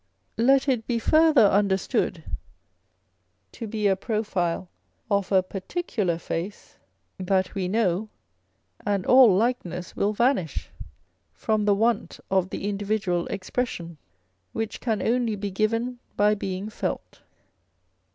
Let it be further understood to be a profile of a particular face that we know, and all likeness will vanish, from the want of the individual expression, which can only be given by being felt.